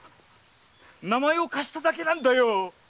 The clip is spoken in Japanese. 名前を貸しただけなんだよ。